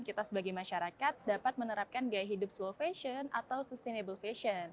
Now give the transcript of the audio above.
kita sebagai masyarakat dapat menerapkan gaya hidup slow fashion atau sustainable fashion